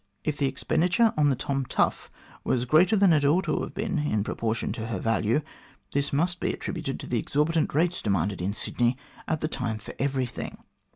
If the expenditure on the Tom Tough was greater than it ought to have been in pro portion to her value, this must be attributed to the exorbitant rates demanded in Sydney at the time for everything.